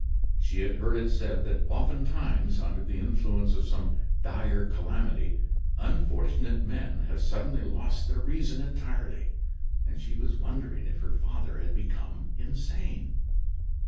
She had heard it said that oftentimes, under the influence of some dire calamity, unfortunate men have suddenly lost their reason entirely; and she was wondering if her father had become insane.